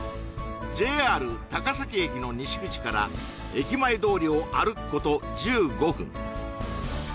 ＪＲ高崎駅の西口から駅前通りを歩くこと１５分